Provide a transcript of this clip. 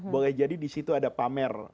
boleh jadi di situ ada pamer